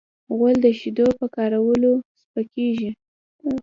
غول د شیدو په کارولو سپکېږي.